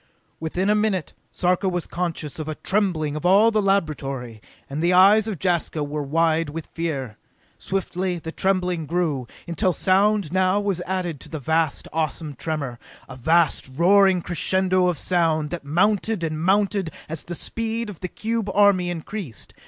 Within a minute, Sarka was conscious of a trembling of all the laboratory, and the eyes of Jaska were wide with fear. Swiftly the trembling grew, until sound now was added to the vast, awesome tremor a vast, roaring crescendo of sound that mounted and mounted as the speed of the cube army increased.